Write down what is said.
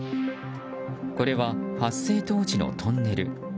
これは発生当時のトンネル。